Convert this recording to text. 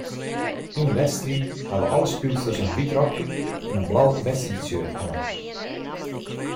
Yn 'e wedstriid hawwe alle spylsters in wyt rokje en in blau wedstriidshirt oan.